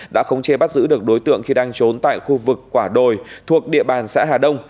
đã khống chế bắt giữ được đối tượng khi đang trốn tại khu vực quả đồi thuộc địa bàn xã hà đông